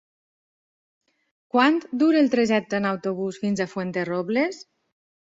Quant dura el trajecte en autobús fins a Fuenterrobles?